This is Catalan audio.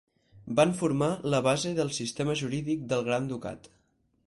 Van formar la base del sistema jurídic del Gran Ducat.